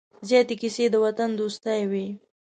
زیاتې کیسې د وطن دوستۍ وې.